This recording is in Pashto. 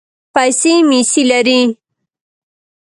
پیسې مېسې لرې.